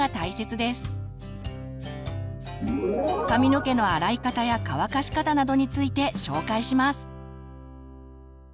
髪の毛の洗い方や乾かし方などについて紹介します。